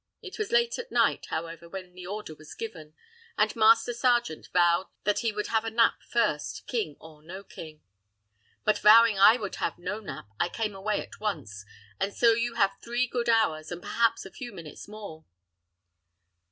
It was late at night, however, when the order was given, and master sergeant vowed that he would have a nap first, king or no king. But, vowing I would have no nap, I came away at once; and so you have three good hours, and perhaps a few minutes more."